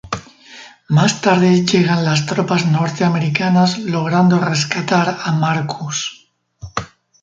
Más tarde llegan las tropas norteamericanas logrando rescatar a Marcus.